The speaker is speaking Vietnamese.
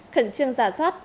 khẩn trương giả soát